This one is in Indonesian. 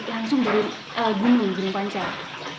langsung dari gunung gunung pancar